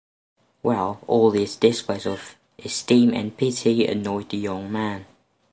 Well, all these displays of esteem and pity annoyed the young man.